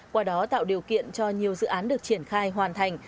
qua đó tạo điều kiện cho nhiều dự án được triển khai hoàn thành